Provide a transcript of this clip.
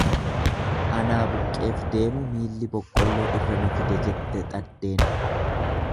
Anaa buqqeef deemu miilli boqqolloo irra na fide jette xaddeen.